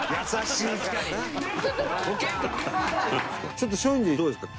ちょっと松陰寺どうですか？